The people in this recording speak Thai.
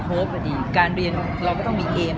โฮปก็ดีการเรียนเราก็ต้องมีเอม